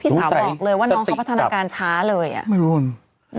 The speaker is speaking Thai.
พี่สาวบอกเลยว่าน้องเขาพัฒนาการช้าเลยอ่ะดูใจสติดกับไม่รู้นี่